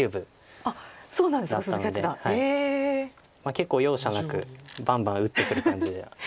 結構容赦なくバンバン打ってくる感じで。